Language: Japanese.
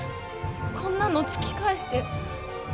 こんなの突き返してよ。